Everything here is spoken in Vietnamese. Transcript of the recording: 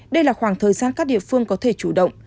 đây là khoảng thời gian các địa phương có thể chủ động